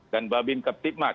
dan babin keptikmat